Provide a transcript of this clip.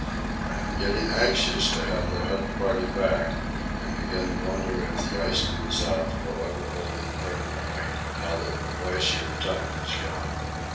I am getting anxious to have the hut party back, and begin to wonder if the ice to the south will ever hold in permanently now that the Glacier Tongue has gone.